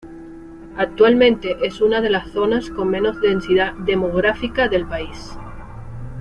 Actualmente es una de las zonas con menos densidad demográfica del país.